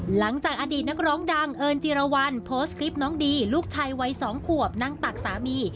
หลังจากอดีตนักร้องดังเอิญจิรวรรณโพสต์คลิปน้องดีลูกชายวัย๒ขวบนั่งตักสามี